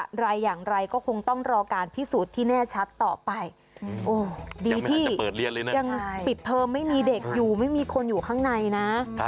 อะไรอย่างไรก็คงต้องรอการพิสูจน์ที่แน่ชัดต่อไปโอ้ยยังปิดเทอมไม่มีเด็กอยู่ไม่มีคนอยู่ข้างในนะ